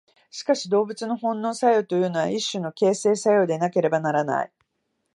しかし動物の本能作用というのは一種の形成作用でなければならない。